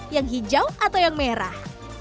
yang hijau atau yang merah